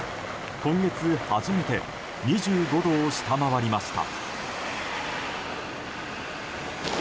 今月初めて２５度を下回りました。